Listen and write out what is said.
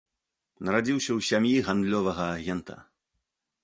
Нарадзіўся ў сям'і гандлёвага агента.